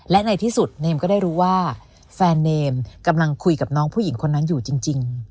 และในที่สุดเนมก็ได้รู้ว่าแฟนเนมกำลังคุยกับน้องผู้หญิงคนนั้นอยู่จริง